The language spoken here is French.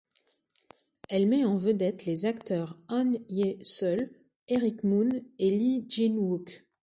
Elle met en vedette les acteurs Han Ye-seul, Eric Mun et Lee Jin-wook.